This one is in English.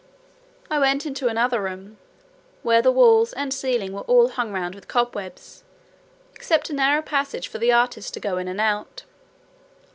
I went into another room, where the walls and ceiling were all hung round with cobwebs, except a narrow passage for the artist to go in and out.